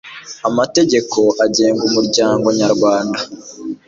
amategeko agenga umuryango nyarwanda